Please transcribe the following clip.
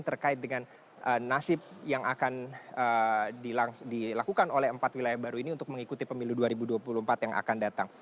terkait dengan nasib yang akan dilakukan oleh empat wilayah baru ini untuk mengikuti pemilu dua ribu dua puluh empat yang akan datang